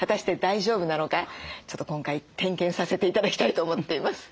ちょっと今回点検させて頂きたいと思っています。